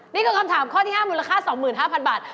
นี่คือคำถามข้อที่๕มูลค่า๒๕๐๐บาท